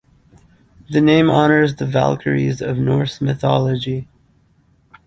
The name honours the valkyries of Norse mythology.